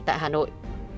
tại hà nội